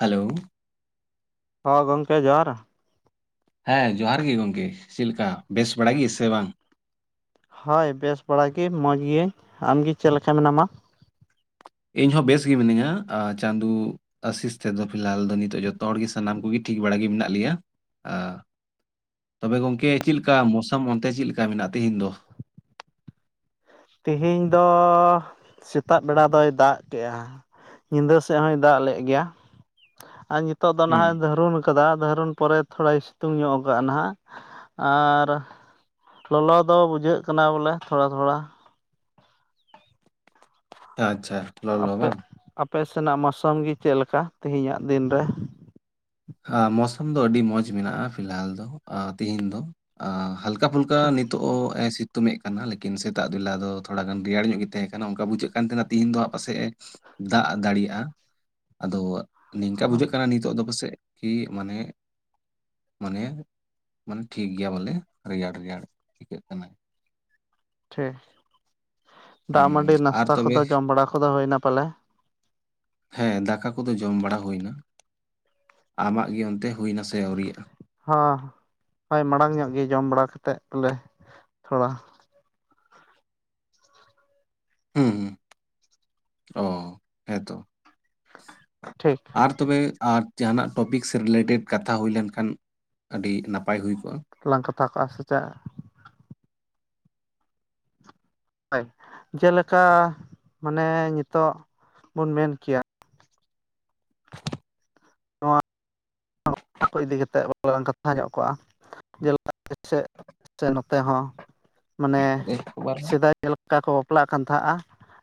Hello ᱦᱚ ᱜᱚᱝᱠᱮ ᱡᱚᱦᱟᱨ ᱦᱮᱸ ᱡᱚᱦᱟᱨ ᱜᱮ ᱜᱚᱝᱠᱮ ᱪᱮᱜ ᱞᱮᱠᱟ ᱵᱮᱥ ᱵᱟᱲᱟ ᱜᱮ ᱥᱮ ᱵᱟᱝ? ᱦᱳᱭ ᱵᱮᱥ ᱵᱟᱲᱟ ᱜᱮ ᱢᱚᱡᱽ ᱜᱤᱭᱟᱹᱧ᱾ ᱟᱢᱜᱮ ᱪᱮᱫ ᱞᱮᱠᱟ ᱢᱮᱱᱟᱢᱟ? ᱤᱧ ᱦᱚᱸ ᱵᱮᱥ ᱜᱮ ᱢᱤᱱᱟᱹᱧᱟ ᱟ ᱪᱟᱸᱫᱩ ᱟᱥᱤᱥ ᱛᱮᱫᱚ ᱯᱷᱤᱞᱦᱟᱞ ᱫᱚ ᱱᱤᱛᱚᱜ ᱡᱚᱛᱚ ᱦᱚᱲᱜ ᱜᱮ ᱥᱟᱱᱟᱢ ᱠᱚᱜᱮ ᱴᱷᱤᱠ ᱵᱟᱲᱟ ᱜᱮ ᱢᱮᱱᱟᱜ ᱞᱮᱭᱟ᱾ ᱟᱸ ᱛᱚᱵᱮ ᱜᱚᱝᱠᱮ ᱪᱮᱜ ᱞᱮᱠᱟ ᱢᱳᱥᱟᱢ ᱚᱱᱛᱮ ᱪᱮᱜ ᱞᱮᱠᱟ ᱢᱮᱱᱟᱜᱼᱟ ᱛᱮᱦᱮᱧ ᱫᱚ? ᱛᱤᱦᱤᱧ ᱫᱚ ᱥᱮᱛᱟᱜ ᱵᱮᱲᱟ ᱫᱚᱭ ᱫᱟᱜ ᱠᱮᱜᱼᱟ᱾ ᱧᱤᱫᱟᱹ ᱥᱮᱜ ᱦᱚᱸᱭ ᱫᱟᱜ ᱞᱮᱜ ᱜᱮᱭᱟ ᱟᱨ ᱱᱤᱛᱚᱜ ᱫᱚ ᱦᱩᱸ ᱱᱟᱦᱟᱜ ᱫᱷᱟᱹᱨᱩᱱ ᱠᱟᱫᱟ ᱫᱷᱟᱹᱨᱚᱱ ᱯᱚᱨᱮ ᱛᱷᱚᱲᱟᱭ ᱥᱤᱛᱩᱝ ᱧᱚᱜ ᱠᱟᱜᱼᱟ ᱱᱟᱦᱟᱜ ᱟᱨ ᱞᱚᱞᱚ ᱫᱚ ᱵᱩᱡᱷᱟᱹᱜ ᱠᱟᱱᱟ ᱵᱚᱞᱮ ᱛᱷᱚᱲᱟ ᱛᱷᱚᱲᱟ ᱟᱪᱪᱷᱟ ᱞᱚᱞᱚ ᱟᱯᱮ ᱵᱟᱝ? ᱟᱯᱮ ᱥᱮᱱᱟᱜ ᱢᱟᱥᱟᱝ ᱜᱮ ᱪᱮᱫ ᱞᱮᱠᱟ ᱛᱮᱦᱮᱧᱟᱜ ᱫᱤᱱ ᱨᱮ ᱢᱚᱥᱟᱢ ᱫᱚ ᱟᱹᱰᱤ ᱢᱚᱸᱡᱽ ᱢᱮᱱᱟᱜ-ᱟ ᱯᱷᱤᱞᱦᱟᱞ ᱫᱚ ᱛᱦᱮᱧ ᱫᱚ ᱟ ᱦᱟᱞᱠᱟ ᱯᱷᱩᱞᱠᱟ ᱱᱤᱛᱚᱜ ᱮ ᱥᱤᱛᱩᱝ ᱮᱫ ᱠᱟᱱᱟ ᱞᱮᱠᱤᱱ ᱥᱮᱛᱟᱜ ᱵᱮᱞᱟ ᱫᱚ ᱛᱷᱚᱲᱟ ᱜᱟᱱ ᱨᱮᱭᱟᱲ ᱧᱚᱜ ᱜᱮ ᱛᱟᱦᱮᱸ ᱠᱟᱱᱟ ᱚᱱᱠᱟ ᱵᱩᱡᱷᱟᱹᱜ ᱠᱟᱱ ᱛᱟᱦᱮᱱᱟ ᱛᱮᱦᱤᱧ ᱫᱚ ᱦᱟᱸᱜ ᱯᱟᱥᱮᱡ ᱮ ᱫᱟᱜ ᱫᱟᱲᱮᱭᱟᱜ-ᱟ ᱟᱫᱚ ᱱᱤᱝᱠᱟ ᱵᱩᱡᱷᱟᱹᱜ ᱠᱟᱱᱟ ᱱᱤᱛᱳᱜ ᱫᱚ ᱯᱟᱥᱮᱡ ᱠᱤ ᱢᱟᱱᱮ ᱢᱟᱱᱮ ᱢᱟᱱᱮ ᱴᱷᱤᱠ ᱜᱮᱭᱟ ᱵᱚᱞᱮ ᱨᱮᱭᱟᱲ ᱨᱮᱭᱟᱲ ᱟᱹᱭᱠᱟᱹᱜ ᱠᱟᱱᱟ ᱴᱷᱤᱠ ᱫᱟᱜ ᱦᱩᱸ ᱢᱟᱸᱰᱤ ᱟᱨ ᱱᱟᱥᱛᱟ ᱛᱚᱵᱮ ᱠᱚᱫᱚ ᱡᱚᱢ ᱵᱟᱲᱟ ᱠᱚᱫᱚ ᱦᱩᱭᱱᱟ ᱯᱟᱞᱮ ᱦᱮᱸ ᱫᱟᱠᱟ ᱠᱚᱫᱚ ᱡᱚᱢ ᱵᱟᱲᱟ ᱦᱩᱭᱱᱟ᱾ ᱟᱢᱟᱜ ᱜᱮ ᱚᱱᱛᱮ ᱦᱩᱭᱱᱟ ᱥᱮ ᱟᱹᱣᱨᱤᱭᱟᱜ-ᱟ? ᱦᱚᱸ ᱦᱳᱭ ᱢᱟᱲᱟᱝ ᱧᱚᱜ ᱜᱮ ᱡᱚᱢ ᱵᱟᱲᱟ ᱠᱟᱛᱮᱫ ᱞᱮ ᱛᱷᱚᱲᱟ, ᱦᱩᱸ ᱦᱩᱸ, ᱚ ᱦᱮᱸ ᱛᱚ᱾ ᱴᱷᱤᱠ᱾ ᱟᱨ ᱛᱚᱵᱮ ᱟᱨ ᱡᱟᱦᱟᱱᱟᱜ ᱴᱚᱯᱤᱠ ᱥᱮ ᱨᱤᱞᱮᱴᱮᱰ ᱠᱟᱛᱷᱟ ᱦᱩᱭ ᱞᱮᱱ ᱠᱷᱟᱱ ᱟᱹᱰᱤ ᱱᱟᱯᱟᱭ ᱦᱩᱭ ᱠᱚᱜ-ᱟ᱾ ᱞᱟᱝ ᱠᱟᱛᱷᱟ ᱠᱚᱜ-ᱟ ᱥᱮ ᱪᱮᱜ᱾ ᱦᱳᱭ ᱡᱮᱞᱮᱠᱟ ᱢᱟᱱᱮ ᱱᱤᱛᱳᱜ ᱵᱚᱱ ᱢᱮᱱ ᱠᱮᱭᱟ᱾ ᱚᱱᱟ ᱠᱚ ᱤᱫᱤ ᱠᱟᱛᱮᱫ ᱟᱱ [unintelligible] ᱠᱟᱛᱷᱟ ᱧᱚᱜ ᱠᱚᱜ-ᱟ᱾ ᱡᱮᱞᱟ [unintelligible] ᱥᱮ ᱱᱚᱛᱮ ᱦᱚᱸ ᱢᱟᱱᱮ ᱟᱫᱚ ᱮᱠᱵᱟᱨ ᱥᱮᱫᱟᱭ᱾ ᱪᱮ ᱞᱮᱠᱟ ᱠᱚ ᱵᱟᱯᱞᱟᱜ ᱠᱟᱱ ᱛᱟᱦᱟᱸᱜ-ᱟ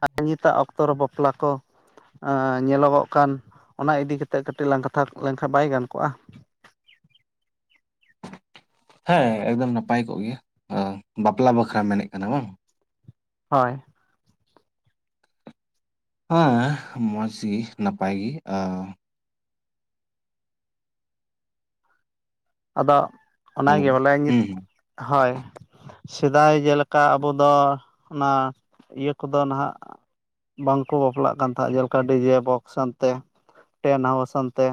ᱟᱨ ᱱᱤᱛᱚᱜ ᱚᱠᱛᱚ ᱨᱮ ᱵᱟᱯᱞᱟ ᱠᱚ᱾ ᱟᱸ ᱧᱮᱞᱚᱜᱚᱜ ᱠᱟᱱ ᱚᱱᱟ ᱤᱫᱤ ᱠᱟᱛᱮᱫ ᱠᱟᱹᱴᱤᱡ ᱞᱟᱝ ᱠᱟᱛᱷᱟ ᱠᱚᱜ ᱞᱮᱱᱠᱷᱟᱡ ᱵᱟᱭ ᱜᱟᱱ ᱠᱚᱜ-ᱟ? ᱦᱮᱸ ᱮᱠᱫᱚᱢ ᱱᱟᱯᱟᱭ ᱠᱚᱜ ᱜᱮᱭᱟ ᱵᱟᱯᱞᱟ ᱵᱟᱠᱷᱨᱟᱢ ᱢᱮᱱᱮᱫ ᱠᱟᱱᱟ ᱵᱟᱝ ᱦᱳᱭ ᱦᱮᱸ ᱢᱚᱡᱽ ᱜᱤ ᱱᱟᱯᱟᱭ ᱜᱤ ᱟ ᱟᱫᱚ ᱦᱮᱞᱳ ᱚᱱᱟᱜᱮ ᱵᱚᱞᱮ ᱱᱤᱛ ᱦᱩᱸ ᱦᱩᱸ ᱦᱳᱭ᱾ ᱥᱮᱫᱟᱭ ᱡᱮᱞᱮᱠᱟ ᱟᱵᱚ ᱫᱚ ᱚᱱᱟ ᱤᱭᱟᱹ ᱠᱚᱫᱚ ᱱᱟᱦᱟᱜ᱾ ᱵᱟᱝᱠᱚ ᱵᱟᱯᱞᱟᱜ ᱠᱟᱱ ᱛᱟᱦᱮᱸᱫ ᱡᱮᱞᱮᱠᱟ ᱰᱤᱡᱮ ᱵᱚᱠᱥ ᱟᱱᱛᱮ᱾ ᱴᱮᱱ ᱦᱟᱣᱥᱟᱱᱛᱮ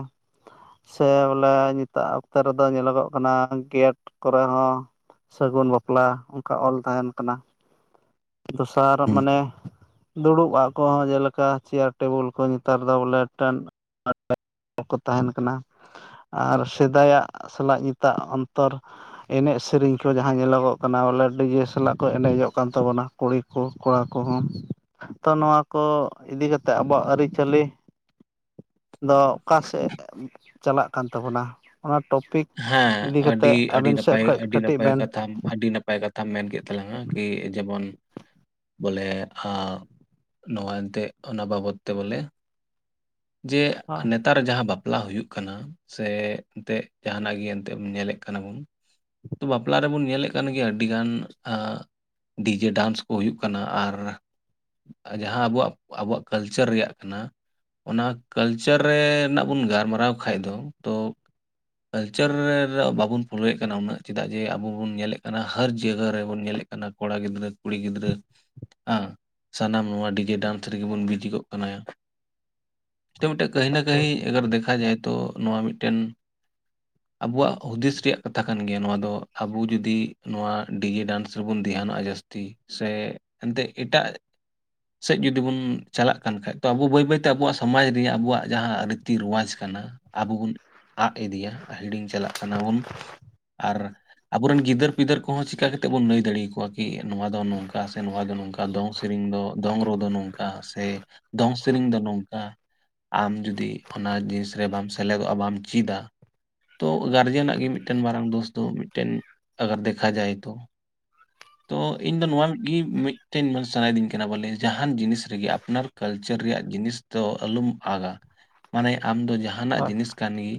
ᱥᱮ ᱵᱚᱞᱮ ᱱᱤᱛᱟᱜ᱾ ᱛᱮ ᱨᱮᱫᱚ ᱧᱮᱞᱚᱜᱚᱜ ᱠᱟᱱᱟ ᱜᱮᱴ ᱠᱚᱨᱮ ᱦᱚᱸ᱾ ᱥᱟᱹᱜᱩᱱ ᱵᱟᱯᱞᱟ ᱚᱱᱠᱟ ᱚᱞ ᱛᱟᱦᱮᱱ ᱠᱟᱱᱟ᱾ ᱫᱚᱥᱟᱨ ᱦᱩᱸ᱾ ᱢᱟᱱᱮ ᱫᱩᱲᱩᱵ-ᱟ ᱠᱚᱦᱚᱸ ᱡᱮᱞᱮᱠᱟ ᱪᱮᱭᱟᱨ ᱴᱮᱵᱩᱞ ᱠᱚ ᱱᱮᱛᱟᱨ ᱫᱚ ᱵᱚᱞᱮ ᱢᱤᱫᱴᱮᱱ ᱠᱚ ᱛᱟᱦᱮᱱ ᱠᱟᱱᱟ, ᱟᱨ ᱥᱮᱫᱟᱭᱟᱜ ᱥᱟᱞᱟᱜ ᱱᱤᱛᱟᱜ ᱚᱱᱛᱚᱨ᱾ ᱮᱱᱮᱡ ᱥᱮᱨᱮᱧ ᱠᱚ ᱡᱟᱦᱟᱸ ᱧᱮᱞᱚᱜᱚᱜ ᱠᱟᱱᱟ ᱵᱚᱞᱮ ᱰᱤᱡᱮ ᱥᱟᱞᱟᱜ ᱠᱚ ᱮᱱᱮᱡᱚᱜ ᱠᱟᱱ ᱛᱟᱵᱚᱱᱟ᱾ ᱠᱩᱲᱤ ᱠᱚ ᱠᱚᱲᱟ ᱠᱚᱦᱚᱸ᱾ ᱛᱚ ᱱᱚᱣᱟ ᱠᱚ ᱤᱫᱤ ᱠᱟᱛᱮᱫ ᱟᱵᱚᱣᱟᱜ ᱟᱹᱨᱤᱪᱟᱹᱞᱤ ᱫᱚ᱾ ᱚᱠᱟᱥᱮᱫ ᱪᱟᱞᱟᱜ ᱠᱟᱱ ᱛᱟᱵᱚᱱᱟ? ᱚᱱᱟ ᱴᱚᱯᱤᱠ ᱦᱮᱸ, ᱤᱫᱤ ᱟᱹᱰᱤ ᱠᱟᱛᱮᱫ ᱟᱹᱰᱤ ᱟᱵᱮᱱ ᱥᱮᱫ ᱱᱟᱯᱟᱭ ᱠᱷᱚᱡ ᱟᱹᱰᱤ ᱠᱟᱹᱴᱤᱡ ᱱᱟᱯᱟᱭ ᱵᱮᱱ ᱠᱟᱛᱷᱟᱢ ᱟᱹᱰᱤ ᱱᱟᱯ ᱱᱟᱯᱟᱭ ᱠᱟᱛᱷᱟᱢ ᱢᱮᱱ ᱠᱮᱫ ᱛᱟᱞᱟᱝᱟ ᱠᱤ ᱡᱮᱢᱚᱱ᱾ ᱵᱚᱞᱮ ᱱᱚᱣᱟ ᱮᱱᱛᱮᱫ ᱚᱱᱟ ᱵᱟᱵᱚᱛ ᱛᱮ ᱵᱚᱞᱮ᱾ ᱡᱮ ᱦᱳᱭ ᱱᱮ ᱛᱟᱨ ᱡᱟᱦᱟᱸ ᱵᱟᱯᱞᱟ ᱦᱩᱭᱩᱜ ᱠᱟᱱᱟ ᱥᱮ ᱮᱱᱛᱮ ᱡᱟᱦᱱᱟᱜ ᱜᱮ ᱮᱱᱛᱮ ᱧᱮᱞᱮᱜ ᱠᱟᱱᱟ ᱵᱚᱱ᱾ ᱛᱚ ᱵᱟᱯᱞᱟ ᱨᱮᱵᱚᱱ ᱧᱮᱞᱮᱫ᱾ ᱠᱟᱱ ᱜᱮᱭᱟ ᱟᱹᱰᱤ ᱜᱟᱱ ᱰᱤᱡᱮ ᱰᱟᱱᱥ ᱠᱚ ᱦᱩᱭᱩᱜ ᱠᱟᱱᱟ ᱟᱨ᱾ ᱡᱟᱦᱟᱸ ᱟᱵᱩᱣᱟᱜ ᱟᱵᱚᱣᱟᱜ ᱠᱟᱞᱪᱟᱨ ᱨᱮᱭᱟᱜ ᱠᱟᱱᱟ᱾ ᱚᱱᱟ ᱠᱟᱞᱪᱟᱨ ᱨᱮᱻᱱᱟᱜ ᱵᱚᱱ ᱜᱟᱨᱢᱟᱨᱟᱣ ᱠᱷᱟᱡ ᱫᱚ ᱛᱚ ᱠᱟᱞᱪᱟᱨ ᱨᱮ ᱨᱮ ᱵᱟᱵᱚᱱ ᱯᱷᱳᱞᱳᱭᱮᱫ ᱠᱟᱱᱟ ᱩᱱᱟᱹᱜ ᱪᱮᱫᱟᱜ ᱡᱮ ᱟᱵᱚ ᱵᱚᱱ ᱧᱮᱞᱮᱫ ᱠᱟᱱᱟ ᱦᱟᱨ ᱡᱟᱭᱜᱟ ᱨᱮᱵᱚᱱ ᱧᱮᱞᱮᱫ᱾ ᱠᱟᱱᱟ ᱠᱚᱲᱟ ᱜᱤᱫᱽᱨᱟᱹ ᱠᱩᱲᱤ ᱜᱤᱫᱽᱨᱟᱹ᱾ ᱟᱸ ᱥᱟᱱᱟᱢ ᱱᱚᱣᱟ ᱰᱤᱡᱮ ᱰᱟᱱᱥ ᱨᱮᱜᱮ ᱵᱚᱱ ᱵᱤᱡᱤ ᱜᱚᱜ ᱠᱟᱱᱟ᱾ ᱢᱤᱫᱴᱮᱡ ᱠᱟᱹᱦᱤ ᱱᱟ ᱠᱟᱹᱦᱤ ᱴᱷᱤᱠ ᱟᱜᱟᱨ ᱫᱮᱠᱷᱟ ᱡᱟᱭᱮ ᱛᱳ ᱱᱚᱣᱟ ᱢᱤᱫᱴᱮᱱ᱾ [inaudible] ᱟᱵᱚᱣᱟᱜ ᱦᱩᱫᱤᱥ ᱨᱮᱭᱟᱜ ᱠᱟᱛᱷᱟ ᱠᱟᱱ ᱜᱮᱭᱟ ᱱᱚᱣᱟ ᱫᱚ ᱟᱵᱩ ᱡᱩᱫᱤ ᱱᱚᱣᱟ ᱰᱤᱡᱮ ᱰᱟᱱᱥ ᱨᱮᱵᱚᱱ ᱫᱷᱮᱭᱟᱱᱚᱜᱼᱟ ᱡᱟᱹᱥᱛᱤ᱾ ᱥᱮ ᱮᱱᱛᱜ ᱮᱴᱟᱜ ᱥᱮᱫ ᱡᱩᱫᱤ ᱵᱚᱱ ᱪᱟᱞᱟᱜ ᱠᱟᱱ ᱠᱷᱟᱡ ᱛᱚ ᱟᱵᱚ ᱵᱟᱹᱭ ᱵᱟᱹᱭ- ᱟᱵᱣᱟᱜ ᱥᱚᱢᱟᱡᱽ ᱨᱮᱭᱟᱜ ᱟᱵᱚᱣᱟᱜ ᱡᱟᱦᱟᱸ ᱨᱤᱛᱤ ᱨᱳᱣᱟᱡᱽ ᱠᱟᱱᱟ ᱟᱵᱚ ᱵᱚᱱ- ᱟᱫ ᱤᱫᱤᱭᱟ ᱦᱤᱲᱤᱧ ᱪᱟᱞᱟᱜ ᱠᱟᱱᱟ ᱵᱚᱱ᱾ ᱟᱨ ᱟᱵᱚᱨᱮᱱ ᱜᱤᱫᱟᱹᱨ ᱯᱤᱫᱟᱹᱨ ᱠᱚᱦᱚᱸ ᱪᱤᱠᱟ ᱠᱟᱛᱮᱫ ᱵᱚᱱ ᱞᱟᱹᱭ ᱫᱟᱲᱮ ᱟᱠᱚᱣᱟ᱾ ᱠᱤ ᱱᱚᱣᱟ ᱫᱚ ᱱᱚᱝᱠᱟ ᱥᱮ ᱱᱚᱣᱟ ᱫᱚ ᱱᱚᱝᱠᱟ, ᱫᱚᱝ ᱥᱮᱨᱮᱧ ᱫᱚ ᱫᱚᱝ ᱨᱩ ᱫᱚ ᱱᱚᱝᱠᱟ ᱥᱮ᱾ ᱫᱚᱝ ᱥᱮᱨᱤᱧ ᱫᱚ ᱱᱚᱝ- ᱟᱢ ᱡᱩᱫᱤ ᱚᱱᱟ ᱡᱤᱱᱤᱥ ᱨᱮ ᱵᱟᱢ ᱥᱮᱞᱮᱫᱚᱜᱼᱟ ᱵᱟᱢ ᱪᱤᱫᱟ᱾ ᱛᱚ ᱜᱟᱨᱡᱮᱱᱟᱜ ᱜᱮ ᱢᱤᱫᱴᱮᱱ ᱢᱟᱨᱟᱝ ᱫᱳᱥ ᱫᱚ, ᱢᱤᱫᱴᱮᱱ ᱟᱜᱟᱨ ᱫᱮᱠᱷᱟ ᱡᱟᱭ ᱛᱚ᱾ ᱟᱨ [unintelligible] ᱛᱚ ᱤᱧ ᱫᱚ ᱱᱚᱣᱟ ᱜᱮ ᱢᱤᱫᱴᱮᱱ ᱥᱟᱱᱟᱭᱮᱫᱤᱧ ᱠᱟᱱᱟ ᱵᱚᱞᱮ ᱡᱟᱦᱟᱱ ᱡᱤᱱᱤᱥ ᱨᱮᱜᱮ ᱟᱯᱱᱟᱨ ᱠᱟᱞᱪᱟᱨ ᱨᱮᱭᱟᱜ ᱡᱤᱱᱤᱥ ᱛᱚ ᱟᱞᱚᱢ ᱟᱜᱟᱹ᱾ ᱢᱟᱱᱮ ᱟᱢ ᱫᱚ ᱡᱟᱦᱟᱱᱟᱜ ᱦᱳᱭ ᱡᱤᱱᱤᱥ ᱠᱟᱱ ᱜᱮ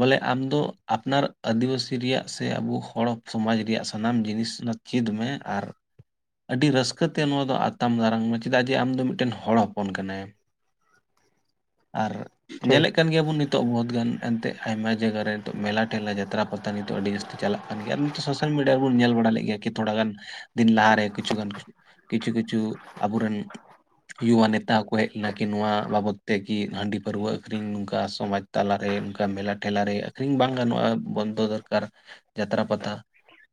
ᱵᱚᱞᱮ ᱟᱢ ᱫᱚ ᱟᱯᱱᱟᱨ ᱟᱹᱫᱤᱵᱟᱹᱥᱤ ᱨᱮᱭᱟᱜ ᱥᱮ ᱟᱵᱚ ᱦᱚᱲ ᱥᱚᱢᱟᱡᱽ ᱨᱮᱭᱟᱜ ᱥᱟᱱᱟᱢ ᱡᱤᱱᱤᱥ- ᱪᱤᱫ ᱢᱮ ᱟᱨ- ᱟᱹᱰᱤ ᱨᱟᱹᱥᱠᱟᱹ ᱛᱮ ᱱᱚᱣᱟ ᱫᱚ ᱟᱛᱟᱢ ᱫᱟᱨᱟᱢ ᱢᱮ ᱪᱮᱫᱟᱜ ᱡᱮ ᱟᱢ ᱫᱚ ᱢᱤᱫᱴᱮᱱ ᱦᱚᱲ ᱦᱚᱯᱚᱱ ᱠᱟᱱᱟᱢ᱾ ᱟᱨ ᱴᱷᱤᱠ ᱧᱮᱞᱮᱫ ᱠᱟᱱ ᱜᱮᱭᱟ ᱵᱚᱱ ᱱᱤᱛ ᱱᱤᱛᱚᱜ ᱵᱚᱦᱩᱛ ᱜᱟᱱ ᱮᱱᱛᱮ ᱟᱭᱢᱟ ᱡᱟᱭᱜᱟ ᱨᱮ ᱱᱤᱛᱚᱜ ᱢᱮᱞᱟ ᱴᱮᱞᱟ ᱡᱟᱛᱨᱟ ᱯᱟᱛᱟ ᱱᱤᱛᱚᱜ ᱟᱹᱰᱤ ᱡᱟᱹᱥᱛᱤ ᱪᱟᱞᱟᱜ- ᱠᱟᱱ ᱜᱮᱭᱟ ᱟᱨ ᱱᱤᱛᱚᱜ ᱥᱳᱥᱟᱞ ᱢᱤᱰᱤᱭᱟ ᱨᱮᱵᱚᱱ ᱧᱮᱞ ᱵᱟᱲᱟ ᱞᱮᱫ ᱜᱮᱭᱟ ᱠᱤ ᱛᱷᱚᱲᱟ ᱜᱟᱱ ᱫᱤᱱ ᱞᱟᱦᱟᱨᱮ ᱠᱤᱪᱷᱩᱜᱟᱱ- ᱠᱤᱪᱷᱩ ᱠᱤᱪᱷᱩ ᱟᱵᱚᱨᱮᱱ ᱩᱣᱟ ᱱᱮᱛᱟ ᱦᱚᱠᱚ ᱦᱮᱡ- ᱱᱟᱠᱤ ᱱᱚᱣᱟ ᱵᱟᱵᱚᱛ ᱛᱮ ᱠᱤ ᱦᱟᱺᱰᱤ ᱯᱟᱹᱨᱣᱟᱹ ᱟᱹᱷᱨᱤᱧ ᱱᱚᱝᱠᱟ ᱥᱚᱢᱟᱡᱽ ᱛᱟᱞᱟ ᱨᱮ ᱱᱚᱝᱠᱟ ᱢᱮᱞᱟ ᱴᱷᱮᱞᱟ ᱨᱮ᱾ ᱟᱹᱠᱷᱨᱤᱧ ᱵᱟᱝ ᱜᱟᱱᱚᱜᱼᱟ ᱵᱚᱱᱫᱚ ᱫᱚᱨᱠᱟᱨ ᱡᱟᱛᱨᱟ ᱯᱟᱛᱟ᱾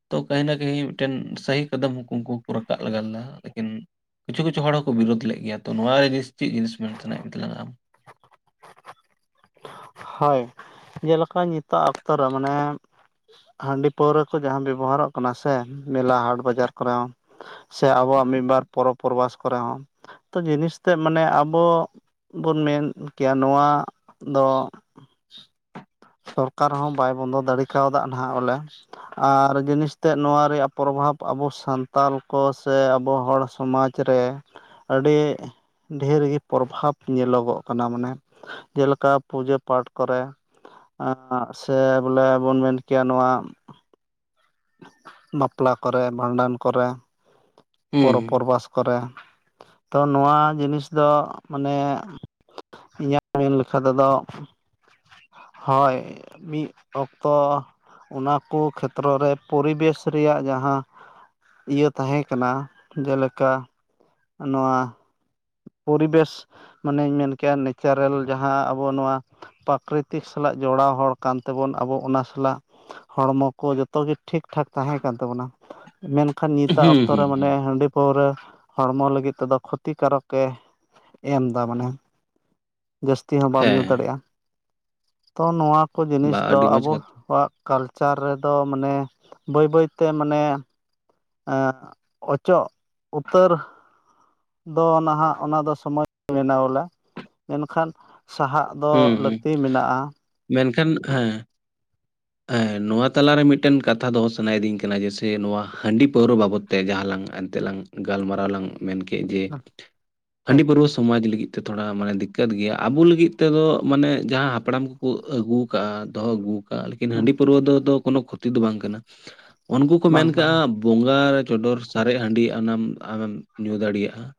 ᱛᱚ ᱠᱟᱹᱦᱤᱱᱟ ᱠᱟᱹᱦᱤ ᱢᱤᱫᱴᱮᱱ ᱥᱟᱦᱤ ᱠᱟᱫᱚᱢ ᱩᱱᱠᱩ ᱠᱚ ᱨᱟᱠᱟᱵ ᱞᱟᱜᱟ ᱞᱮᱫᱟ ᱞᱮᱠᱤᱱ- ᱠᱤᱪᱷᱩ ᱠᱤᱪᱷᱩ ᱦᱚᱲᱠᱚ ᱵᱤᱨᱳᱫ ᱞᱮᱫ ᱜᱮᱭᱟ᱾ᱛᱚ ᱱᱚᱣᱟ ᱨᱮ ᱡᱟ. ᱥᱛᱤ ᱪᱮᱫ ᱡᱤᱱᱤᱥ ᱢᱮᱱ ᱥᱟᱱᱟᱭᱮᱫ ᱢᱮ ᱛᱟᱞᱟᱝᱟ ᱟᱢ? ᱦᱳᱭ ᱡᱮᱞᱮᱠᱟ ᱱᱤᱛᱚᱜ ᱚᱠᱛᱚ ᱨᱮ ᱢᱟᱱᱮ- ᱦᱟᱺᱰᱤ ᱯᱟᱹᱣᱨᱟᱹ ᱠᱚ ᱡᱟᱦᱟᱸ ᱵᱮᱵᱚᱦᱟᱨᱚᱜ ᱠᱟᱱᱟ ᱥᱮ ᱢᱮᱞᱟ ᱦᱟᱴ ᱵᱟᱡᱟᱨ ᱠᱚᱨᱮ ᱦᱚᱸ᱾ ᱥᱮ ᱟᱵᱚᱣᱟᱜ ᱢᱤᱫ ᱵᱟᱨ ᱯᱚᱨᱚᱵᱽ ᱯᱚᱨᱵᱟᱥ ᱠᱚᱨᱮ ᱦᱚᱸ᱾ ᱛᱚ ᱡᱤᱱᱤᱥ ᱛᱮ ᱢᱟᱱᱮ ᱟᱵᱚ ᱵᱚᱱ ᱢᱮᱱ ᱠᱮᱭᱟ ᱱᱚᱣᱟ ᱫᱚ- ᱥᱚᱨᱠᱟᱨ ᱦᱚᱸ ᱵᱟᱭ ᱵᱚᱱᱫᱚ ᱫᱟᱲᱮ ᱠᱟᱣᱫᱟ ᱱᱟᱦᱟᱜ ᱵᱚᱞᱮ᱾ ᱟᱨ ᱡᱤᱱᱤᱥ ᱛᱮᱜ ᱱᱚᱣᱟ ᱨᱮᱭᱟᱜ ᱯᱨᱚᱵᱷᱟᱵᱽ ᱟᱵᱚ ᱥᱟᱱᱛᱟᱞ ᱠᱚ ᱥᱮ ᱟᱵᱚ ᱦᱚᱲ ᱥᱚᱢᱟᱡᱽ- ᱨᱮ ᱟᱹᱰᱤ ᱰᱷᱮᱨ ᱜᱮ ᱯᱨᱚᱵᱷᱟᱵᱽ ᱧᱮᱞᱚᱜᱚᱜ ᱠᱟᱱᱟ ᱢᱟᱱᱮ᱾ ᱡᱮᱞᱮᱠᱟ ᱯᱩᱡᱟᱹ- ᱯᱟᱴ ᱠᱚᱨᱮ ᱥᱮ ᱵᱚᱞᱮ ᱵᱚᱱ ᱢᱮᱱ ᱠᱮᱭᱟ ᱱᱚᱣᱟ- ᱵᱟᱯᱞᱟ ᱠᱚᱨᱮ ᱵᱷᱟᱸᱰᱟᱱ ᱠᱚᱨᱮ᱾ ᱯᱚᱨᱚᱵᱽ ᱦᱩᱸ ᱯᱚᱨᱵᱟᱥ ᱠᱚᱨᱮ- ᱛᱚ ᱱᱚᱣᱟ ᱡᱤᱱᱤᱥ ᱫᱚ ᱢᱟᱱᱮ- ᱤᱧᱟᱜ ᱢᱮᱱ ᱞᱮᱠᱷᱟ ᱛᱮᱫᱚ᱾ ᱦᱳᱭ ᱢᱤᱫ ᱚᱠᱛᱚ ᱚᱱᱟᱠᱚ ᱠᱷᱮᱛᱨᱚ ᱨᱮ- ᱯᱚᱨᱤᱵᱮᱥ ᱨᱮᱭᱟᱜ ᱡᱟᱦᱟᱸ ᱤᱭᱟᱹ ᱛᱟᱦᱮᱸ ᱠᱟᱱᱟ ᱡᱮᱞᱮᱠᱟ- ᱱᱚᱣᱟ ᱯᱚᱨᱤᱵᱮᱥ- ᱢᱟᱱᱮᱧ ᱢᱮᱱ ᱠᱮᱭᱟ ᱱᱮᱪᱟᱨᱮᱞ ᱡᱟᱦᱟᱸ ᱟᱵᱚ ᱱᱚᱣᱟ᱾ ᱯᱨᱟᱠᱨᱤᱛᱤᱠ ᱥᱟᱞᱟᱜ ᱡᱚᱲᱟᱣ ᱦᱚᱲ ᱠᱟᱱ ᱛᱮᱵᱚᱱ ᱟᱵᱚ ᱚᱱᱟ ᱥᱟᱞᱟᱜ- ᱦᱚᱲᱢᱚ ᱠᱚ ᱡᱚᱛᱚ ᱜᱮ ᱴᱷᱤᱠᱴᱷᱟᱠ ᱛᱟᱦᱮᱸ ᱠᱟᱱ ᱛᱟᱵᱚᱱᱟ ᱢᱮᱱ- ᱠᱷᱟᱱ ᱱᱤᱛᱟᱜ ᱦᱩᱸ ᱚᱠᱛᱚ ᱨᱮ ᱦᱩᱸ ᱢᱟᱱᱮ ᱦᱩᱸ ᱦᱟᱺᱰᱤ ᱯᱟᱹᱣᱨᱟᱹ- ᱦᱚᱲᱢᱚ ᱞᱟᱹᱜᱤᱫ ᱛᱮᱫᱚ ᱠᱷᱚᱛᱤ ᱠᱟᱨᱚᱠ ᱮ ᱮᱢᱫᱟ ᱢᱟᱱᱮ᱾ ᱡᱟᱹᱥᱛᱤ ᱦᱚᱸ ᱵᱟᱢ ᱧᱩ ᱦᱮᱸ ᱫᱟᱲᱮᱭᱟᱜᱼᱟ᱾ ᱛᱚ ᱱᱚᱣᱟ ᱠᱚ ᱵᱟ ᱡᱤᱱᱤᱥ ᱫᱚ ᱟᱹᱰᱤ ᱢᱚᱸᱡᱽ ᱠᱟᱛᱷᱟ ᱟᱵᱚᱣᱟᱜ- ᱠᱟᱞᱪᱟᱨ ᱨᱮᱫᱚ ᱢᱟᱱᱮ ᱵᱟᱹᱭ ᱵᱟᱹᱭᱛᱮ ᱢᱟᱱᱮ- ᱚᱪᱚᱜ ᱩᱛᱟᱹᱨ- ᱫᱚ ᱱᱟᱦᱟᱜ ᱚᱱᱟ ᱫᱚ ᱥᱚᱢᱚᱭ [unintelligible] ᱵᱮᱱᱟᱣᱟᱞᱟ ᱢᱮᱱᱠᱷᱟᱱ ᱥᱟᱦᱟᱜ ᱫᱚ ᱦᱩᱸ ᱦᱩᱸ ᱞᱟᱹᱠᱛᱤ ᱢᱮᱱᱟᱜᱼᱟ ᱢᱮᱱᱠᱷᱟᱱ ᱦᱮᱸ ᱦᱮᱸ ᱱᱚᱣᱟ ᱛᱟᱞᱟᱨᱮ ᱢᱤᱫᱴᱮᱱ ᱠᱟᱛᱷᱟ ᱫᱚᱦᱚ ᱥᱟᱱᱟᱭᱤᱫᱤᱧ ᱠᱟᱱᱟ ᱡᱮᱭᱥᱮ ᱱᱚᱣᱟ ᱦᱟᱺᱰᱤ ᱯᱟᱹᱣᱨᱟᱹ ᱵᱟᱵᱚᱫ ᱛᱮ ᱡᱟᱦᱟᱸ ᱞᱟᱝ ᱮᱱᱛᱮᱜ ᱞᱟᱝ ᱜᱟᱞᱢᱟᱨᱟᱣ ᱞᱟᱝ ᱢᱮᱱ ᱠᱮᱫ ᱡᱮ ᱦᱟᱺᱰᱤ ᱴᱷᱤᱠ ᱯᱟᱹᱨᱟᱹᱣᱟ ᱥᱚᱢᱟᱡᱽ ᱞᱟᱹᱜᱤᱫ ᱛᱮ ᱛᱷᱚᱲᱟ ᱢᱟᱱᱮ ᱫᱤᱠᱠᱟ. ᱛ ᱜᱮᱭᱟ ᱟᱵᱚ ᱞᱟᱹᱜᱤᱫ ᱛᱮᱫᱚ ᱢᱟᱱᱮ ᱡᱟᱦᱟᱸ ᱦᱟᱯᱲᱟᱢ ᱠᱚ ᱟᱹᱜᱩ ᱠᱟᱜᱼᱟ ᱫᱚᱦᱚ ᱟᱹᱜᱩ ᱠᱟᱜᱼᱟ ᱦᱟᱺᱰᱤ ᱯᱟᱹᱨᱟᱹᱣᱟ ᱫᱚ ᱠᱳᱱᱳ ᱠᱷᱚᱛᱤ ᱫᱚ ᱵᱟᱝ ᱠᱟᱱᱟ ᱩᱱᱠᱩ ᱠᱚ ᱵᱟᱝ ᱢᱮᱱ ᱠᱟᱱᱟ ᱠᱟᱜᱼᱟ ᱵᱚᱸᱜᱟ ᱨᱮ ᱪᱚᱰᱚᱨ ᱥᱟᱨᱮᱡ ᱦᱟᱺᱰᱤ ᱚᱱᱟᱢ ᱟᱢᱮᱢ ᱧᱩ ᱫᱟᱲᱮᱭᱟᱜᱼᱟ᱾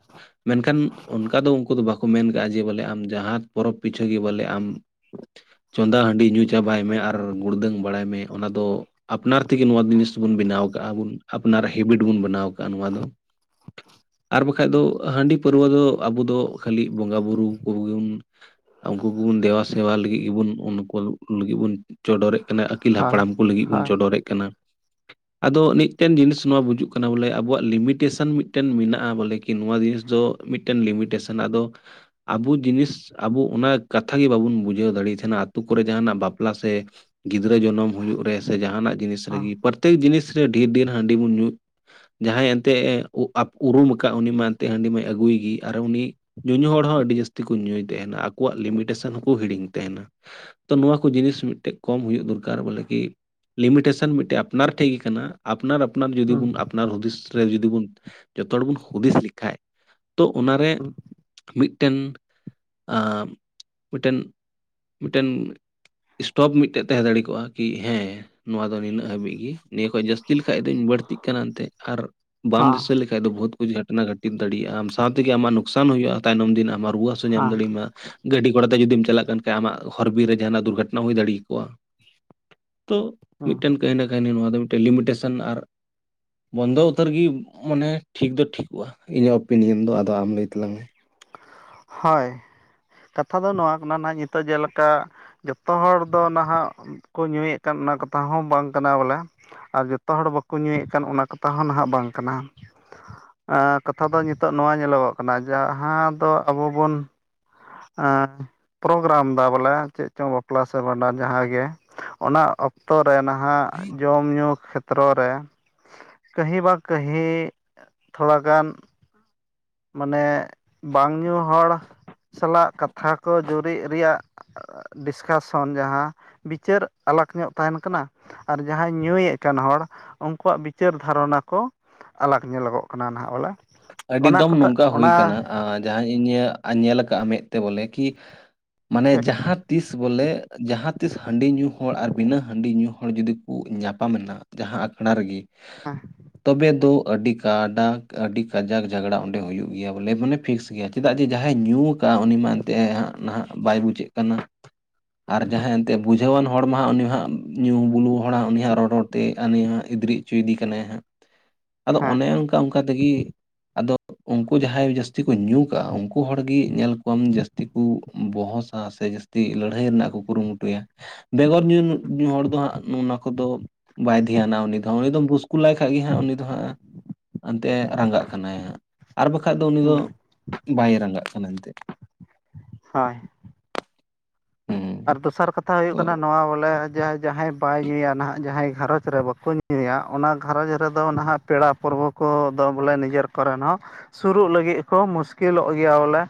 ᱢᱮᱱᱠᱷᱟᱱ ᱚᱱᱠᱟ ᱫᱚ ᱩᱱᱠᱩ ᱫᱚ ᱵᱟᱠᱚ ᱢᱮᱱ ᱠᱟᱜᱼᱟ ᱡᱮ ᱵᱚᱞᱮ ᱟᱢ ᱡᱟᱦᱟᱸ ᱯᱚᱨᱚᱵᱽ ᱯᱤᱪᱷᱟᱹ ᱜᱮ ᱵᱚᱞᱮ ᱟᱢ [inaudible] ᱪᱚᱸᱫᱟ ᱦᱟᱺᱰᱤ ᱧᱩ ᱪᱟᱵᱟᱭ ᱢᱮ ᱟᱨ ᱜᱩᱲᱫᱟᱹᱝ ᱵᱟᱲᱟᱭ ᱢᱮ ᱚᱱᱟ ᱫᱚ ᱟᱯᱱᱟᱨ ᱛᱮᱜᱮ ᱱᱚᱣᱟ ᱡᱤᱱᱤᱥ ᱵᱚᱱ ᱵᱮᱱᱟᱣ ᱠᱟᱣᱟ ᱵᱚᱱ ᱟᱯᱱᱟᱨ ᱦᱮᱵᱤᱴ ᱵᱚᱱ ᱵᱮᱱᱟᱣ ᱟᱠᱟᱟᱜᱼᱟ ᱱᱚᱣᱟ ᱫᱚ᱾ ᱟᱨ ᱵᱟᱠᱷᱟᱡ ᱫᱚ ᱦᱟᱺᱰᱤ ᱯᱟᱹᱨᱣᱟ ᱫᱚ ᱟᱵᱚ ᱫᱚ ᱠᱷᱟᱹᱞᱤ ᱵᱚᱸᱜᱟᱵᱩᱨᱩ ᱠᱚᱜᱮ ᱵᱚᱱ ᱩᱱᱠᱩ ᱠᱚᱵᱚᱱ ᱫᱮᱵᱟᱥᱮᱵᱟ ᱞᱟᱹᱜᱤᱫ ᱜᱮᱵᱚᱱ ᱩᱱᱠᱩ ᱞᱟᱹᱜᱤᱫ ᱵᱚᱱ ᱪᱚᱰᱚᱨᱮᱜ ᱠᱟᱱᱟ ᱟᱹᱜᱤᱞ ᱦᱳᱭ ᱦᱟᱯᱲᱟᱢ ᱠᱚ ᱞᱟᱹᱜᱤᱫ ᱵᱚᱱ ᱦᱳᱭ ᱪᱚᱰᱚᱨᱮᱫ ᱠᱟᱱᱟ᱾ [inaudible] ᱟᱫᱚ ᱢᱤᱫᱴᱮᱱ ᱡᱤᱱᱤᱥ ᱱᱚᱣᱟ ᱵᱩᱡᱩᱜ ᱠᱟᱱᱟ ᱵᱚᱞᱮ ᱟᱵᱚᱣᱟᱜ ᱞᱤᱢᱤᱴᱮᱥᱚᱱ ᱢᱤᱫᱴᱮᱱ ᱢᱮᱱᱟᱜᱼᱟ ᱵᱚᱞᱮ ᱠᱤ ᱱᱚᱣᱟ ᱡᱤᱱᱤᱥ ᱫᱚ ᱢᱤᱫᱴᱮᱱ ᱞᱤᱢᱤᱴᱮᱥᱚᱱ ᱟᱫᱚ ᱟᱵᱚ ᱡᱤᱱᱤᱥ ᱟᱵᱚ ᱚᱱᱟ ᱠᱟᱛᱷᱟ ᱜᱮ ᱵᱟᱵᱚᱱ ᱵᱩᱡᱷᱟᱹᱣ ᱫᱟᱲᱮᱭ ᱛᱟᱦᱮᱱᱟ ᱟᱛᱳ ᱠᱚᱨᱮ ᱡᱟᱦᱟᱱᱟᱜ ᱵᱟᱯᱞᱟ ᱥᱮ ᱜᱤᱫᱽᱨᱟᱹ ᱡᱚᱱᱚᱢ ᱦᱩᱭᱩᱜ ᱨᱮ ᱥᱮ ᱡᱟᱦᱟᱱᱟᱜ ᱡᱤᱱᱤᱥ ᱦᱮᱸ ᱨᱮᱜᱮ ᱯᱨᱚᱛᱮᱠ ᱡᱤᱱᱤᱥ ᱨᱮ ᱰᱷᱮᱨ ᱰᱷᱮᱨ ᱦᱟᱺᱰᱤ ᱵᱚᱱ ᱧᱩ ᱡᱟᱦᱟᱸᱭ ᱮᱱᱛᱜ ᱮ ᱩᱨᱩᱢ ᱟᱠᱟᱫ ᱩᱱᱤ ᱢᱟ ᱮᱱᱛᱮ ᱦᱟᱺᱰᱤ ᱢᱟᱭ ᱟᱹᱜᱩᱭ ᱜᱮ ᱟᱨ ᱩᱱᱤ ᱧᱩᱧᱩ ᱦᱚᱲ ᱦᱚᱸ ᱟᱹᱰᱤ ᱡᱟᱹᱥᱛᱤ ᱠᱚ ᱧᱩᱭ ᱛᱟᱦᱮᱱᱟ ᱟᱠᱚᱣᱟᱜ ᱞᱤᱢᱤᱴᱮᱥᱚᱱ ᱦᱚᱸᱠᱚ ᱦᱤᱲᱤᱧ ᱛᱟᱦᱮᱱᱟ᱾ ᱛᱚ ᱱᱚᱣᱟ ᱠᱚ ᱡᱤᱱᱤᱥ ᱢᱤᱫᱴᱮᱠ ᱠᱚᱢ ᱦᱩᱭᱩᱜ ᱫᱚᱨᱠᱟᱨ ᱵᱚᱞᱮ ᱠᱤ ᱞᱤᱢᱤᱴᱮᱥᱚᱱ ᱢᱤᱫᱴᱮᱱ ᱟᱯᱱᱟᱨ ᱴᱷᱮᱡ ᱜᱮ ᱠᱟᱱᱟ᱾ ᱟᱯᱱᱟᱨ ᱟᱯᱱᱟᱨ ᱡᱩᱫᱤ ᱵᱚᱱ ᱦᱮᱸ ᱟᱯᱱᱟᱨ ᱦᱩᱫᱤᱥ ᱨᱮ ᱡᱩᱫᱤ ᱵᱚᱱ ᱡᱚᱛᱚ ᱦᱚᱲ ᱵᱚᱱ ᱦᱩᱫᱤᱥ ᱞᱮᱠᱷᱟᱱᱡ ᱛᱚ ᱚᱱᱟᱨᱮ ᱢᱤᱫᱴᱮᱱ ᱟᱸᱻ ᱢᱤᱫᱴᱮᱱ ᱢᱤᱫᱴᱮᱱ ᱥᱴᱳᱯ ᱢᱤᱫ ᱟᱴᱮᱫ ᱛᱟᱦᱮᱸ ᱫᱟᱲᱮ ᱠᱚᱜᱼᱟ ᱠᱤ ᱦᱮᱸ ᱱᱚᱣᱟ ᱫᱚ ᱱᱤᱱᱟᱹᱜ ᱦᱟᱹᱵᱤᱡ ᱜᱮ᱾ ᱱᱤᱭᱟᱹ ᱠᱷᱚᱡ ᱡᱟᱹᱥᱛᱤ ᱞᱮᱠᱷᱟᱡ ᱫᱚᱧ ᱵᱟᱹᱲᱛᱤᱜ ᱠᱟᱱᱟ ᱮᱱᱛᱮ ᱟᱨ ᱵᱟᱢ ᱫᱤᱥᱟᱹ ᱦᱮᱸ ᱞᱮᱠᱷᱟᱱ ᱵᱟᱠᱷᱟᱡ ᱫᱚ ᱵᱚᱦᱩᱛ ᱠᱩᱪ ᱜᱷᱟᱴᱱᱟ ᱜᱷᱟᱴᱤᱛ ᱫᱟᱲᱭᱟᱜᱼᱟ᱾ ᱟᱢ ᱥᱟᱶᱛᱮᱜᱮ ᱟᱢᱟᱜ ᱞᱚᱥᱠᱥᱟᱱ ᱦᱩᱭᱩᱜᱼᱟ ᱛᱟᱭᱱᱚᱢ ᱫᱤᱱ ᱟᱢᱟᱜ ᱨᱩᱭᱟᱹᱜ ᱦᱟᱥᱩ ᱧᱟᱢ ᱫᱟᱲᱮᱭᱟᱢᱟ ᱜᱟᱹᱰᱤ ᱜᱷᱚᱲᱟ ᱛᱮ ᱡᱩᱫᱤᱢ ᱪᱟᱞᱟᱜ ᱠᱷᱟᱱ ᱟᱢᱟᱜ ᱦᱚᱨ ᱵᱤᱨ ᱨᱮ ᱡᱟᱦᱟᱱᱟᱜ ᱫᱩᱨᱜᱷᱚᱴᱚᱱᱟ ᱦᱩᱭ ᱫᱟᱲᱮᱭᱟᱜ᱾ ᱛᱚ ᱦᱮᱸ ᱢᱤᱫᱴᱮᱱ ᱠᱟᱹᱦᱤ ᱱᱟ ᱠᱟᱹᱦᱤ ᱱᱚᱣᱟ ᱫᱚ ᱢᱤᱫᱴᱮᱱ ᱞᱤᱢᱤᱴᱮᱥᱚᱱ ᱟᱨ ᱵᱚᱱᱫᱚ ᱩᱛᱟᱹᱨ ᱜᱮ ᱢᱟᱱᱮ ᱴᱷᱤᱠ ᱫᱚ ᱴᱷᱤᱠᱚᱜᱼᱟ᱾ ᱤᱧᱟᱹᱜ ᱚᱯᱤᱱᱤᱭᱚᱱ ᱫᱚ ᱟᱫᱚ ᱟᱢ ᱞᱟᱹᱭ ᱛᱟᱞᱟᱝ ᱢᱮ᱾ ᱦᱳᱭ᱾ ᱠᱟᱛᱷᱟ ᱫᱚ ᱱᱚᱣᱟ ᱠᱟᱱᱟ ᱱᱟᱦᱟᱜ ᱱᱤᱛᱚᱜ ᱡᱮᱞᱮᱠᱟ ᱡᱚᱛᱚ ᱦᱚᱲ ᱫᱚ ᱱᱟᱦᱟᱜ ᱠᱚ ᱧᱩᱭᱮᱫ ᱠᱟᱱ ᱚᱱᱟ ᱠᱟᱛᱷᱟ ᱦᱚᱸ ᱵᱟᱝ ᱠᱟᱱᱟ ᱵᱚᱞᱮ ᱟᱨ ᱡᱚᱛᱚ ᱦᱚᱲ ᱵᱟᱠᱚ ᱧᱩᱭᱮᱫ ᱠᱟᱱ ᱚᱱᱟ ᱠᱟᱛᱷᱟ ᱦᱚᱸ ᱱᱟᱦᱟᱜ ᱵᱟᱝ ᱠᱟᱱᱟ᱾ ᱠᱟᱛᱷᱟ ᱫᱚ ᱱᱤᱛᱚᱜ ᱱᱚᱣᱟ ᱧᱮᱞᱚᱜᱚᱜ ᱠᱟᱱᱟ ᱡᱟᱦᱟᱸ ᱫᱚ ᱟᱵᱚ ᱵᱚᱱ ᱟᱸ ᱯᱨᱳᱜᱨᱟᱢ ᱮᱫᱟ ᱵᱚᱞᱮ ᱪᱮᱫ ᱪᱚᱝ ᱵᱟᱯᱞᱟ ᱥᱮ ᱵᱷᱟᱸᱰᱟᱱ ᱡᱟᱦᱟᱸ ᱜᱮ ᱚᱱᱟ ᱚᱠᱛᱚ ᱨᱮ ᱱᱟᱦᱟᱜ ᱡᱚᱢ ᱧᱩ ᱠᱷᱮᱛᱨᱚ ᱨᱮ ᱠᱟᱹᱦᱤ ᱵᱟᱸ ᱠᱟᱹᱦᱤ ᱛᱷᱚᱲᱟᱜᱟᱱ ᱢᱟᱱᱮ ᱵᱟᱝ ᱧᱩ ᱦᱚᱲ ᱥᱟᱞᱟᱜ ᱠᱟᱛᱷᱟ ᱠᱚ ᱡᱩᱨᱤᱜ ᱨᱮᱭᱟᱜ ᱰᱤᱥᱠᱟᱥᱚᱱ ᱡᱟᱦᱟᱸ ᱵᱤᱪᱟᱹᱨ ᱟᱞᱟᱜ ᱧᱚᱜ ᱛᱟᱦᱮᱱ ᱠᱟᱱᱟ ᱟᱨ ᱡᱟᱦᱟᱸᱭ ᱧᱩᱭᱮᱫ ᱠᱟᱱ ᱦᱚᱲ ᱩᱱᱠᱩᱣᱟᱜ ᱵᱤᱪᱟᱹᱨ ᱫᱷᱟᱨᱚᱱᱟ ᱠᱚ ᱟᱞᱟᱠᱽ ᱧᱮᱞᱚᱜᱚᱜ ᱠᱟᱱᱟ ᱱᱟᱦᱟᱜ ᱵᱚᱞᱮ᱾ ᱟᱹᱰᱤ ᱚᱱᱟ ᱫᱚᱢ ᱠᱚᱛᱮ ᱱᱚᱝᱠᱟ ᱦᱩᱭ ᱚᱱᱟ ᱟᱠᱟᱱᱟ ᱟ ᱡᱟᱦᱟᱸ ᱤᱧ ᱧᱮᱞ ᱟᱠᱟᱫ ᱢᱮᱸᱫᱛᱮ ᱵᱚᱞᱮ ᱠᱤ ᱢᱟᱱᱮ ᱴᱷᱤᱠ ᱡᱟᱦᱟᱸ ᱛᱤᱥ ᱵᱚᱞᱮ ᱡᱟᱦᱟᱸ ᱛᱤᱥ ᱦᱟᱺᱰᱤ ᱧᱩ ᱦᱚᱲ ᱟᱨ ᱵᱤᱱᱟᱹ ᱦᱟᱺᱰᱤ ᱧᱩ ᱦᱚᱲ ᱡᱩᱫᱤ ᱠᱚ ᱧᱟᱯᱟᱢᱮᱱᱟ ᱡᱟᱦᱟᱸ ᱟᱠᱷᱲᱟ ᱨᱮᱜᱮ᱾ ᱦᱮᱸ ᱛᱚᱵᱮ ᱫᱚ ᱟᱹᱰᱤ ᱠᱟᱰᱟᱜ ᱟᱹᱰᱤ ᱠᱟᱡᱟᱠ ᱡᱷᱟᱜᱽᱲᱟ ᱚᱸᱰᱮ ᱦᱩᱭᱩᱜ ᱜᱮᱭᱟ ᱵᱚᱞᱮ ᱢᱟᱱᱮ ᱯᱷᱤᱠᱥ ᱜᱮᱭᱟ ᱪᱮᱫᱟᱜ ᱡᱮ ᱡᱟᱦᱟᱸᱭ ᱧᱩ ᱚᱱᱠᱟ ᱩᱱᱤ [unintelligible] ᱢᱮᱱᱟᱱᱛᱮ ᱦᱟᱸᱜ ᱱᱟᱦᱟᱜ ᱵᱟᱭ ᱵᱩᱡᱟᱹᱜ ᱠᱟᱱᱟ [inaudible] ᱟᱨ ᱡᱟᱦᱟᱸᱭ ᱮᱱᱛᱮᱫ ᱵᱩᱡᱷᱟᱹᱣᱟᱱ ᱦᱚᱲ ᱢᱟ ᱦᱟᱸᱜ ᱩᱱᱤ ᱦᱟᱸᱜ ᱧᱩ ᱵᱩᱞᱩ ᱦᱚᱲᱟᱜ ᱩᱱᱤ ᱦᱟᱸᱜ ᱨᱚᱲ ᱛᱮ ᱩᱱᱤᱭᱟᱜ ᱜᱤᱫᱽᱨᱤᱡ ᱦᱚᱪᱚᱭᱮᱫᱮ ᱠᱟᱱᱟᱭ ᱦᱟᱸᱜ ᱟᱫᱚ ᱚᱱᱮ ᱦᱮᱸ ᱚᱱᱠᱟ ᱚᱱᱠᱟ ᱛᱮᱜᱮ ᱟᱫᱚ ᱩᱱᱠᱩ ᱡᱟᱦᱟᱸᱭ ᱡᱟᱹᱥᱛᱤ ᱠᱚ ᱧᱩ ᱠᱟᱜ ᱩᱱᱠᱩ ᱦᱚᱲᱜ ᱧᱮᱞ ᱠᱚᱣᱟᱢ ᱡᱟᱹᱥᱛᱤ ᱠᱚ ᱵᱚᱦᱚᱥᱟ ᱥᱮ ᱴᱤᱜ ᱞᱟᱹᱲᱦᱟᱹᱭ ᱨᱮᱱᱟᱜ ᱠᱚ ᱠᱩᱨᱩᱢᱩᱴᱩᱭᱟ ᱵᱮᱜᱚᱨ ᱧᱩ ᱧᱩ ᱦᱚᱲ ᱫᱚ ᱦᱟᱸᱜ ᱱᱚ ᱱᱚᱣᱟ ᱠᱚᱫᱚ ᱵᱟᱭ ᱫᱷᱮᱭᱟᱱᱟ ᱩᱱᱤ ᱫᱚ ᱩᱱᱤ ᱫᱚᱢ ᱵᱩᱥᱠ ᱞᱟᱭ ᱠᱷᱟ ᱜᱮ ᱦᱟᱸᱜ ᱩᱱᱤ ᱫᱚ ᱦᱟᱸᱜ ᱮᱱᱛᱮ ᱨᱟᱸᱜᱟᱜ ᱠᱟᱱᱟᱭ ᱦᱟᱸᱜ ᱟᱨ ᱵᱟᱠᱷᱟᱡ ᱫᱚ ᱩᱱᱤ ᱫᱚ ᱦᱩᱸ ᱵᱟᱭ ᱨᱟᱸᱜᱟᱜ ᱠᱟᱱᱟ ᱮᱱᱛᱜ ᱦᱳᱭ ᱦᱩᱸ ᱟᱨ ᱫᱚᱥᱟᱨ ᱠᱟᱛᱷᱟ ᱦᱩᱭᱩᱜ ᱠᱟᱱᱟ ᱱᱚᱣᱟ ᱵᱚᱞᱮ ᱡᱟ ᱡᱟᱦᱟᱸᱭ ᱵᱟᱭ ᱧᱩᱭᱟ ᱱᱟᱦᱟᱜ ᱡᱟᱦᱟᱸᱭ ᱜᱷᱟᱨᱚᱸᱡᱽ ᱨᱮ ᱵᱟᱠᱚ ᱧᱩ ᱧᱩᱭᱟ ᱚᱱᱟ ᱜᱷᱟᱨᱚᱸᱡᱽ ᱨᱮᱫᱚ ᱱᱟᱦᱟᱜ ᱯᱮᱲᱟ ᱯᱟᱹᱨᱵᱟᱹ ᱠᱚ ᱫᱚ ᱵᱚᱞᱮ ᱱᱤᱡᱮᱨ ᱠᱚᱨᱮᱱ ᱦᱚᱸ ᱥᱩᱨᱩᱜ ᱞᱟᱹᱜᱤᱫ ᱠᱚ ᱢᱩᱥᱠᱤᱞᱚᱜ ᱜᱮᱭᱟ ᱵᱚᱞᱮ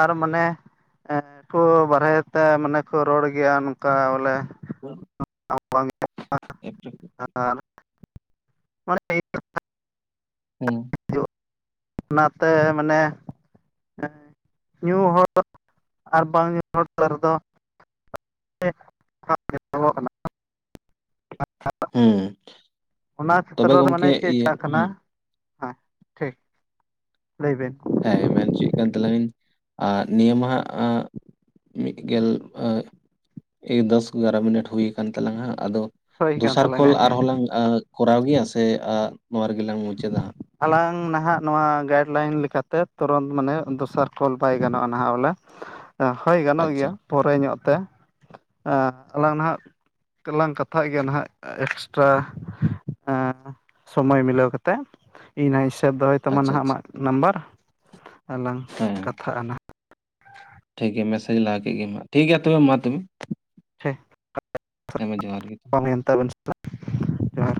ᱟᱨ ᱢᱟᱱᱮ ᱮ ᱠᱚ ᱵᱟᱨᱦᱮ ᱛᱮ ᱢᱟᱱᱮ ᱠᱚ ᱨᱚᱲ ᱜᱮᱭᱟ ᱱᱚᱝᱠᱟ ᱵᱚᱞᱮ [inaudible] ᱟᱨ ᱢᱟᱱ [inaudible] ᱦᱩᱸ ᱚᱱᱟᱛᱮ ᱢᱟᱱᱮ [unintelligible] ᱧᱩ ᱦᱚᱲ ᱟᱨ ᱵᱟᱝ ᱧᱩ ᱦᱚᱲ ᱨᱮᱫᱚ [inaudible] ᱦᱮᱸ ᱚᱱᱟ ᱛᱚᱵᱮ ᱠᱷᱮᱛᱨᱚ ᱨᱮ ᱜᱚᱝᱠᱮ ᱢᱟᱱᱮ ᱪᱮᱫ ᱤᱭᱟᱹ ᱪᱷᱟ ᱠᱟᱱᱟ ᱦᱩᱸ ᱦᱮᱸ ᱴᱷᱤᱠ ᱞᱟᱹᱭᱵᱤᱱ ᱦᱮᱸ ᱢᱮᱱ ᱦᱚᱪᱚᱭᱮᱫ ᱠᱟᱱ ᱛᱞᱟᱝᱤᱧ ᱟᱸ ᱱᱤᱭᱟᱹ ᱢᱟᱦᱟᱜ ᱟᱸ ᱢᱤᱫ ᱜᱮᱞ ᱮ ᱫᱚᱥ ᱮᱜᱟᱨᱚ ᱢᱤᱱᱤᱴ ᱦᱩᱭ ᱟᱠᱟᱱ ᱛᱟᱞᱟᱝᱟ ᱟᱫᱚ ᱦᱳᱭ ᱠᱟᱱ ᱫᱚᱥᱟᱨ ᱠᱚᱞ ᱛᱟᱞᱟᱝᱟ ᱟᱨᱦᱚᱸ ᱦᱮᱸ ᱞᱟᱝ ᱟ ᱠᱚᱨᱟᱣ ᱜᱮᱭᱟ ᱥᱮ ᱟ ᱱᱚᱣᱟ ᱨᱮᱜᱮ ᱞᱝ ᱢᱩᱪᱟᱹᱫᱟ ᱦᱟᱸᱜ ᱟᱞᱟᱝ ᱱᱟᱦᱟᱜ ᱱᱚᱣᱟ ᱜᱟᱭᱤᱰ ᱞᱟᱭᱤᱱ ᱞᱮᱠᱟᱛᱮ ᱛᱩᱨᱚᱱᱛ ᱢᱟᱱᱮ ᱫᱚᱥᱟᱨ ᱠᱚᱞ ᱵᱟᱭ ᱜᱟᱱᱚᱜᱼᱟ ᱱᱟᱦᱟᱜ ᱵᱚᱞᱮ ᱦᱳᱭ ᱜᱟᱱᱚᱜ ᱟᱪᱪᱷᱟ ᱜᱮᱭᱟ ᱯᱚᱨᱮ ᱧᱚᱜ ᱛᱮ ᱟᱻ ᱟᱞᱟᱝ ᱱᱟᱦᱟᱜ ᱛᱟᱦᱞᱮ ᱞᱟᱝ ᱠᱟᱛᱷᱟᱜ ᱜᱮᱭᱟ ᱱᱟᱦᱟᱜ ᱮᱠᱥᱴᱨᱟ ᱥᱳᱢᱳᱭ ᱢᱤᱞᱟᱹᱣ ᱠᱟᱛᱮᱫ ᱤᱧ ᱦᱟᱸᱜ ᱤᱧ ᱥᱮᱯ ᱫᱚᱦᱚᱭ ᱛᱟᱢᱟ ᱟᱪᱪᱷᱟ ᱱᱦᱟᱸᱜ ᱟᱪᱪᱷᱟ ᱟᱢᱟᱜ ᱱᱟᱢᱵᱟᱨ ᱟᱨᱞᱟᱟᱝ ᱦᱮᱸ ᱠᱟᱛᱷᱟᱜᱼᱟᱱᱟ ᱴᱷᱤᱠ ᱜᱮᱭᱟ ᱢᱮᱥᱮᱡᱽ ᱞᱟᱦᱟ ᱠᱮᱫ ᱜᱮᱢ ᱦᱟᱸᱜ ᱴᱷᱤᱠ ᱜᱮᱭᱟ ᱛᱚᱵᱮ ᱢᱟ ᱛᱚᱵᱮ [unintelligible] ᱦᱮᱸᱢᱟ ᱡᱚᱦᱟᱨ ᱜᱮ ᱦᱮᱸ ᱛᱟᱵᱮᱱ ᱡᱚᱦᱟᱨ